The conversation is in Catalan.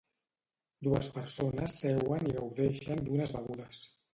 Dues persones seuen i gaudeixen d'unes begudes.